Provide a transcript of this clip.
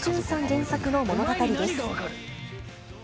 原作の物語です。